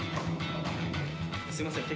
すいません